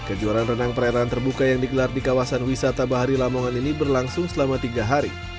kejuaraan renang perairan terbuka yang digelar di kawasan wisata bahari lamongan ini berlangsung selama tiga hari